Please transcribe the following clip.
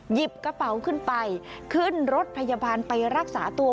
หยิบกระเป๋าขึ้นไปขึ้นรถพยาบาลไปรักษาตัว